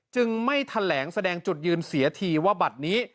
จึงไม่แถลงแสดงจุดยืนเสียทีว่าบัตรนี้